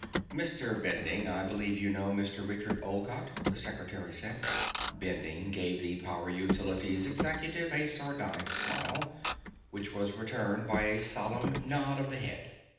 "Mr. Bending, I believe you know Mr. Richard Olcott," the Secretary said. Bending gave the Power Utilities executive a sardonic smile, which was returned by a solemn nod of the head.